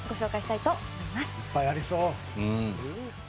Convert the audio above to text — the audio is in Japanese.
いっぱいありそう。